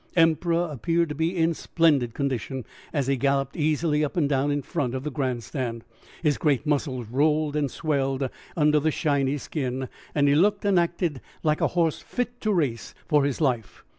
Emperor appeared to be in splendid condition. As he galloped easily up and down in front of the Grand Stand his great muscles rolled and swelled under the shiny skin, and he looked and acted like a horse fit to race for his life.